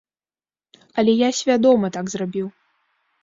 Але я свядома так зрабіў.